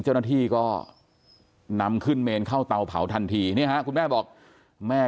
เจ้าหน้าที่ก็นำขึ้นเมนเข้าเตาเผาทันทีนี่ฮะคุณแม่บอกแม่